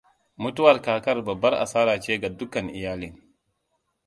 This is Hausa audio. Mutuwar kakar babbar asara ce ga dukkan iyalin.